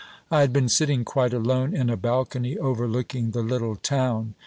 I had been sitting quite alone in a balcony overlooking the little town.